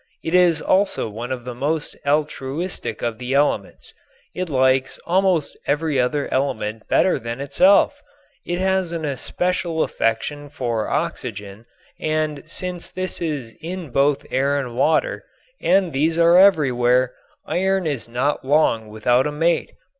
It is also one of the most altruistic of the elements. It likes almost every other element better than itself. It has an especial affection for oxygen, and, since this is in both air and water, and these are everywhere, iron is not long without a mate.